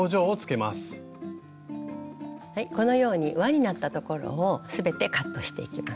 このように輪になったところを全てカットしていきます。